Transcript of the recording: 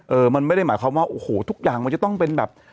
มันไม่ได้หมายความว่าโอ้โหทุกอย่างมันจะต้องเป็นแบบ